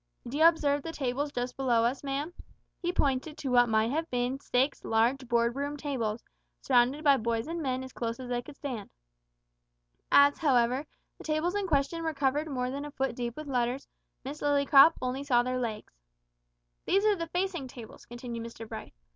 "D'you observe the tables just below us, ma'am?" He pointed to what might have been six large board room tables, surrounded by boys and men as close as they could stand. As, however, the tables in question were covered more than a foot deep with letters, Miss Lillycrop only saw their legs. "These are the facing tables," continued Mr Bright.